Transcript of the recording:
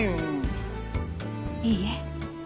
いいえ。